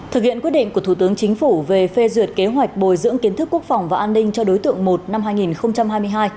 thực hiện quyết định của thủ tướng chính phủ về phê duyệt kế hoạch bồi dưỡng kiến thức quốc phòng và an ninh cho đối tượng một năm hai nghìn hai mươi hai